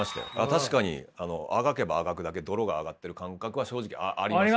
確かにあがけばあがくだけ泥が上がってる感覚は正直ありますよ。